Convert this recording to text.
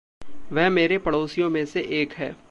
वह मेरे पड़ोसियों में से एक है।